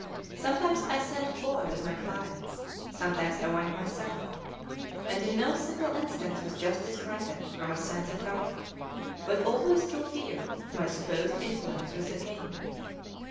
Sometimes I sent Boy with my clients, sometimes I went myself; and in no single instance was justice granted from a sense of right, but always through fear of my supposed influence with the king.